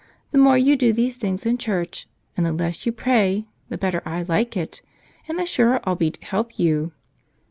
The more you do these things in church and the less you pray the better I like it and the surer I'll be to help you."